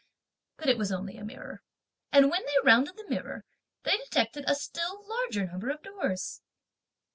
But it was only a mirror. And when they rounded the mirror, they detected a still larger number of doors.